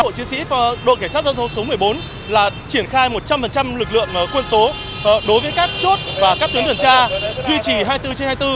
bộ chiến sĩ đội cảnh sát giao thông số một mươi bốn là triển khai một trăm linh lực lượng quân số đối với các chốt và các tuyến tuyển tra duy trì hai mươi bốn trên hai mươi bốn